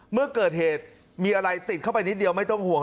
เมื่อเกิดเหตุมีอะไรติดเข้าไปนิดเดียวไม่ต้องห่วง